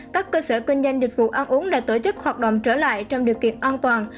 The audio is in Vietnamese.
các cơ sở kinh doanh dịch vụ ăn uống đã tổ chức hoạt động trở lại trong điều kiện an toàn